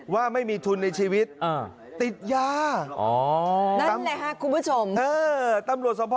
ว่าไม่มีทุนในชีวิตติดยานั่นแหละครับคุณผู้ผู้ชมตำรวจสมพ่อ